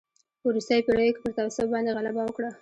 په وروستیو پېړیو کې پر تصوف باندې غلبه وکړه.